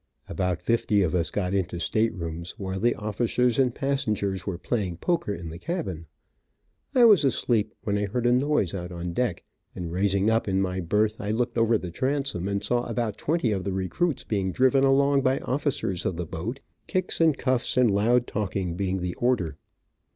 About fifty of us got into state rooms, while the officers and passengers were playing poker in the cabin. I was asleep, when I heard a noise out on deck, and raising up in my berth I looked over the transom and saw about twenty of the recruits being driven along by officers of the boat, kicks and cuffs, and loud talking being the order.